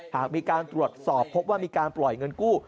หากมีการตรวจสอบพบว่ามีการปล่อยเงินกู้